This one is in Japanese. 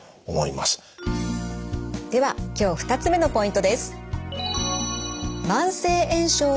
では今日２つ目のポイントです。